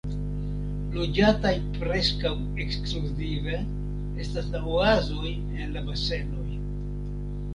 Loĝataj preskaŭ ekskluzive estas la oazoj en la basenoj.